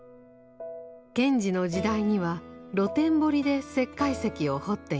賢治の時代には露天掘りで石灰石を掘っていました。